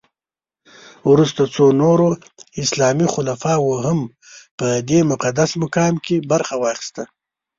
وروسته څو نورو اسلامي خلفاوو هم په دې مقدس مقام کې برخه واخیسته.